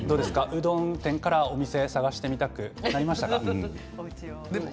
うどん店からお店を探してみたくなりましたか。